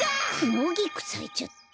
ノギクさいちゃった。